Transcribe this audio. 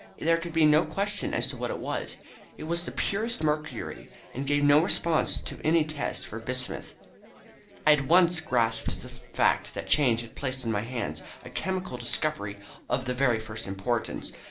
There could be no question as to what it was. It was the purest mercury, and gave no response to any test for bismuth. "I at once grasped the fact that chance had placed in my hands a chemical discovery of the very first importance.